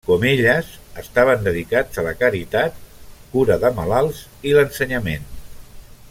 Com elles, estaven dedicats a la caritat, cura de malalts i l'ensenyament.